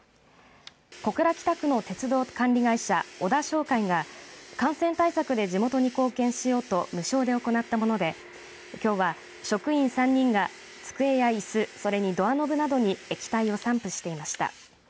小倉北区の鉄道管理会社小田商會が感染対策で地元に貢献しようと無償で行ったものできょうは職員３人が机やいす、それにドアノブなどに液体を散布していました。